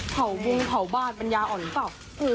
เผาวงเผาบ้านปัญญาอ่อนหรือเปล่า